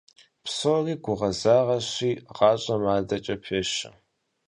Псори гугъэзагъэщи, гъащӀэм адэкӀэ пещэ.